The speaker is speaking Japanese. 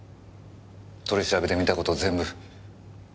取り調べで見た事全部。